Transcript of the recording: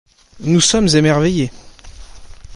Nous sommes émerveillés.